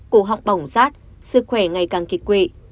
cổ họng bỏng rát sức khỏe ngày càng kịch quỵ